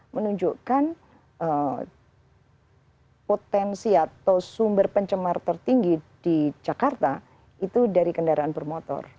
menunjukkan potensi atau sumber pencemar tertinggi di jakarta itu dari kendaraan bermotor